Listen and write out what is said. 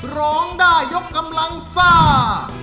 ร้องได้ยกกำลังซ่า